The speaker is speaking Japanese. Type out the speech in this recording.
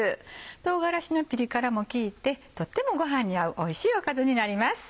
唐辛子のピリ辛も利いてとってもご飯に合うおいしいおかずになります。